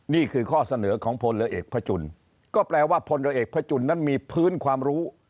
นี่คือข้อเสนอของพลเรือเอกพระจุลก็แปลว่าพลเรือเอกพระจุลนั้นมีพื้นความรู้